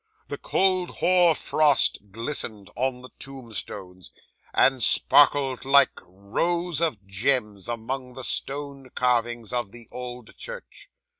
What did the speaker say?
The cold hoar frost glistened on the tombstones, and sparkled like rows of gems, among the stone carvings of the old church.